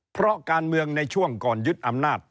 เพราะการเมืองในช่วงก่อนยึดอำนาจ